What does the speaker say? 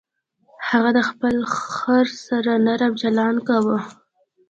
هغه د خپل خر سره نرم چلند کاوه.